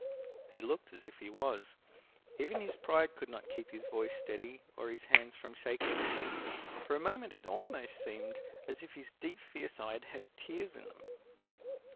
He looked as if he was. Even his pride could not keep his voice steady or his hands from shaking. For a moment it almost seemed as if his deep, fierce eyes had tears in them.